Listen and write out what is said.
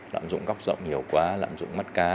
lãng dụng góc rộng nhiều quá lãng dụng mắt cá